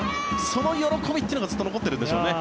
その喜びっていうのがずっと残っているんでしょうね。